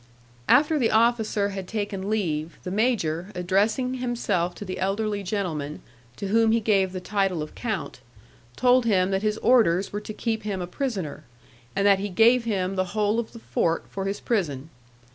After the officer had taken leave, the major, addressing himself to the elderly gentleman, to whom he gave the title of count, told him that his orders were to keep him a prisoner, and that he gave him the whole of the fort for his prison.